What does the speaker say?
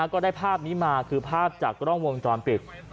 ก็ได้ภาพนี้มาคือภาพจากกล้องวงจรปิด